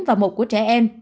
và một của trẻ em